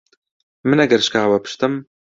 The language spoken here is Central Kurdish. من ئەگەر شکاوە پشتم